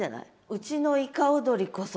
うちのいか踊りこそ！